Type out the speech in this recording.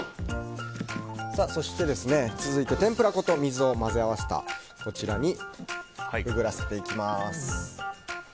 続いて、天ぷら粉と水を混ぜ合わせたものにくぐらせていきます。